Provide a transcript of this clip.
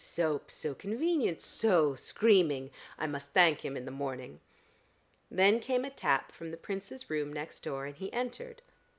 Soap! So convenient. So screaming! I must thank him in the morning." Then came a tap from the Prince's room next door, and he entered.